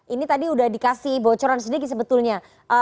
ini tadi sudah dikasih bocoran sedikit sebetulnya